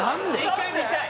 １回見たい